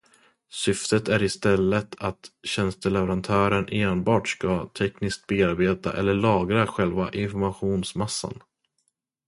Syftet är i stället att tjänsteleverantören enbart ska tekniskt bearbeta eller lagra själva informationsmassan.